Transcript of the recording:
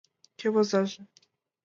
Кӧ возаже?